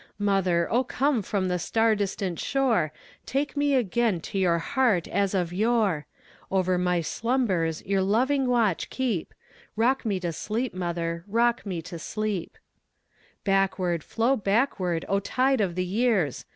Mother, O come from the far distant shore, Take me again to your heart as of yore; Over my slumbers your loving watch keep Rock me to sleep, mother, rock me to sleep. Backward, flow backward, O tide of the years!